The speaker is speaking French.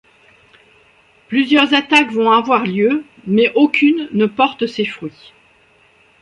Plusieurs attaques vont alors avoir lieu, mais aucune ne porte ses fruits.